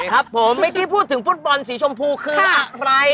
ครับผมเมื่อกี้พูดถึงฟุตบอลสีชมพูคืออะไร